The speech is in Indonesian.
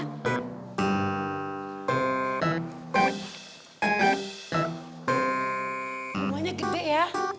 rumahnya gede ya